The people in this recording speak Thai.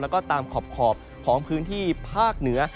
แล้วก็ตามขอบของพื้นที่ภาคเหนือ